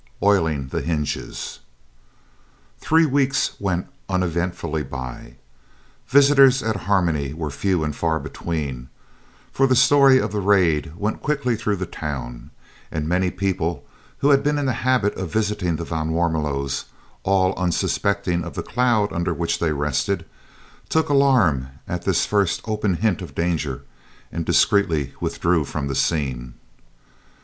OILING THE HINGES Three weeks went uneventfully by. Visitors at Harmony were few and far between, for the story of the "raid" went quickly through the town, and many people who had been in the habit of visiting the van Warmelos, all unsuspecting of the cloud under which they rested, took alarm at this first open hint of danger and discreetly withdrew from the scene.